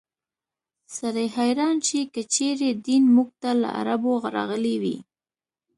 سړی حیران شي که چېرې دین موږ ته له عربو راغلی وي.